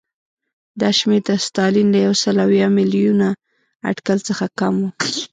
دا شمېر د ستالین له یو سل اویا میلیونه اټکل څخه کم و